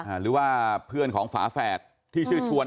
หรือว่าเพื่อนของฝาแฝดที่ชื่อชวน